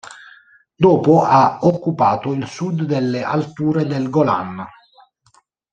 Dopo ha occupato il sud delle Alture del Golan.